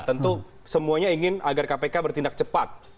tentu semuanya ingin agar kpk bertindak cepat